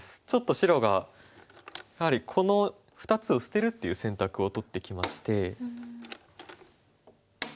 ちょっと白がやはりこの２つを捨てるっていう選択を取ってきまして。